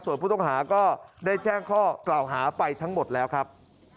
ส่วนผู้ต้องหาก็ได้แจ้งข้อกล่าวหาไปทั้งหมดแล้วครับ